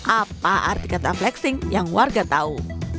apa arti kata flexing yang warga tahu